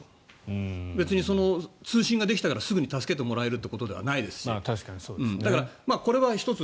別に通信ができたからすぐに助けてもらえるということではないですしだから、これは１つ